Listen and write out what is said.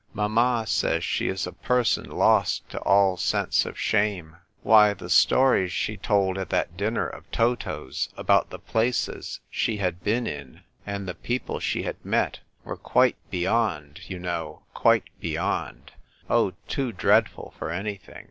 Mamma says she is a person lost to all sense of shame. Why, the stories she told at that dinner of Toto's about the places she had been in and 238 THE TVPE WKITER CIKT.. thn people she had mot were quite beyond, yon know, quite be^'ond ; oh, too drradf'd foi anytliing."